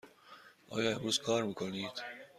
آیا امروز کار می کنید؟